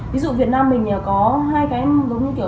ví dụ việt nam mình có hai cái giống như kiểu